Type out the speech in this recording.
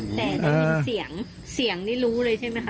แต่ได้ยินเสียงเสียงนี่รู้เลยใช่ไหมคะ